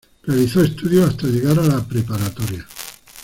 Realizó estudios hasta llegar a la preparatoria.